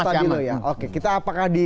stabilo ya oke kita apakah di